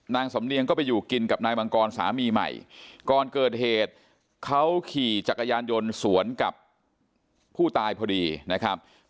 นางสำเนียงก็ไปอยู่กินกับนายมังกรสามีใหม่ก่อนเกิดเหตุเขาขี่จักรยานยนต์สวนกับผู้ตายพอดีนะครับ